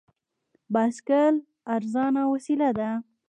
بایسکل ارزانه وسیله ده.